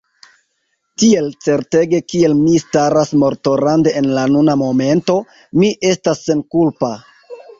Tiel certege kiel mi staras mortorande en la nuna momento, mi estas senkulpa.